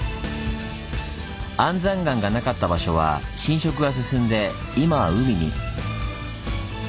安山岩がなかった場所は侵食が進んで今は海に。